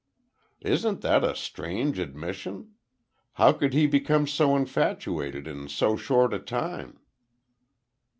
"Isn't that a strange admission? How could he become so infatuated in so short a time?"